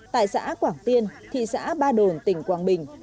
tại xã quảng tiên thị xã ba đồn tỉnh quảng bình